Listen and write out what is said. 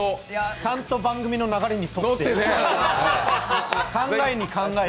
ちゃんと番組の流れに沿って、考えに考えて。